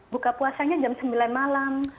buka puasanya jam sembilan malam